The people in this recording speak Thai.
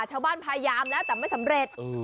พยายามแล้วแต่ไม่สำเร็จ